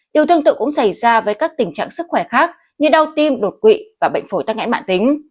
điều tương tự cũng xảy ra với các tình trạng sức khỏe khác như đau tim đột quỵ và bệnh phổi tắc nghẽn mạng tính